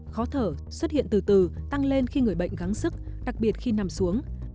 khó thở xuất hiện từ từ tăng lên khi người bệnh gáng sức đặc biệt khi nằm xuống